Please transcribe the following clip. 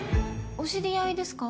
お知り合いですか？